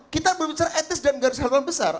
kita berbicara etis dalam garis haluan besar